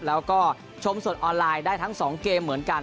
แล้วก็ชมสดออนไลน์ได้ทั้ง๒เกมเหมือนกัน